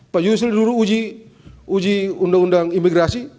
pak yusril dulu uji undang undang imigrasi